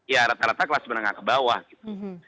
ya rata rata kelas menengah ke bawah gitu